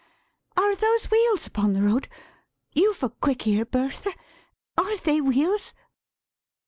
Are those wheels upon the road? You've a quick ear, Bertha. Are they wheels?"